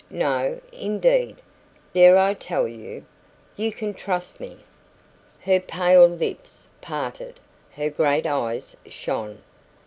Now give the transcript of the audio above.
"No, indeed." "Dare I tell you?" "You can trust me." Her pale lips parted. Her great eyes shone.